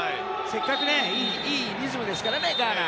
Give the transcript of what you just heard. せっかくいいリズムですからねガーナ。